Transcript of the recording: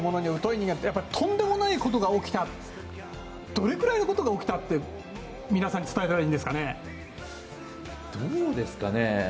人間はとんでもないことが起きたどれくらいのことが起きたって伝えたらいいんですかね？